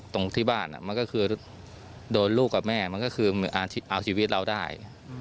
ตรงที่บ้านมันก็คือโดนลูกกับแม่มันก็คือเอาชีวิตเราได้